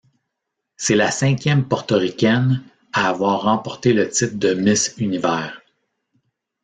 C'est la cinquième porto-ricaine à avoir remporté le titre de Miss Univers.